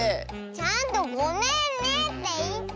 ちゃんと「ごめんね」っていってよ。